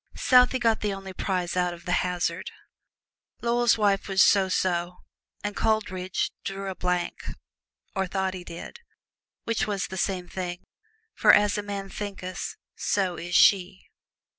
Southey got the only prize out of the hazard; Lovell's wife was so so, and Coleridge drew a blank, or thought he did, which was the same thing; for as a man thinketh so is she.